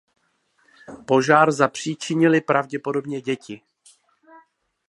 Požár zapříčinily pravděpodobně děti.